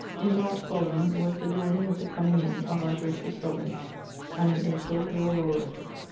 In[FT]March following was the dawning of the coming in of our gracious soveraigne, and in April the Aurora.